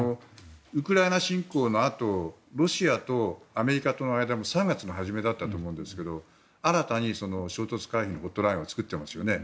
ウクライナ侵攻のあとロシアとアメリカとの間の３月の初めだったと思うんですけど新たに衝突回避のホットラインを作ってますよね。